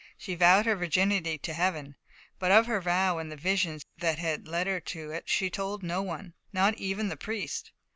She vowed her virginity to Heaven, but of her vow and the visions that had led her to it she told no one, not even the priest.